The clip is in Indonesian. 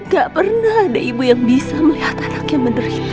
gak pernah ada ibu yang bisa melihat anak yang menderita